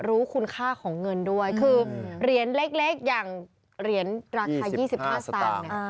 รู้คุณค่าของเงินด้วยคือเหรียญเล็กอย่างเหรียญราคา๒๕สตางค์เนี่ย